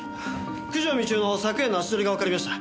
九条美千代の昨夜の足取りがわかりました。